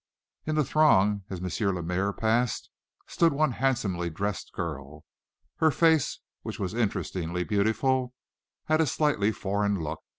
In the throng, as M. Lemaire passed, stood one handsomely dressed girl. Her face, which was interestingly beautiful, had a slightly foreign look.